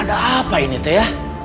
ada apa ini tuh ya